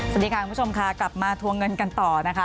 สวัสดีค่ะคุณผู้ชมค่ะกลับมาทวงเงินกันต่อนะคะ